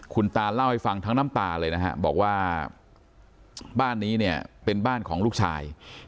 คุณตาเล่าให้ฟังทั้งน้ำตาเลยนะฮะบอกว่าบ้านนี้เนี่ยเป็นบ้านของลูกชาย